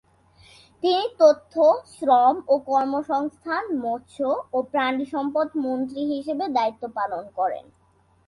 তিনি তথ্য, শ্রম ও কর্মসংস্থান, মৎস্য ও প্রাণী সম্পদ মন্ত্রী হিসেবে দায়িত্ব পালন করেন।